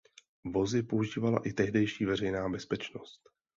Vozy používala i tehdejší Veřejná bezpečnost.